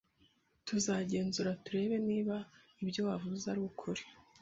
Tuzagenzura turebe niba ibyo wavuze arukuri